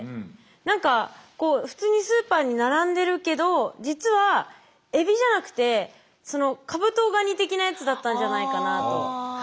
なんか普通にスーパーに並んでるけど実はエビじゃなくてカブトガニ的なやつだったんじゃないかなと。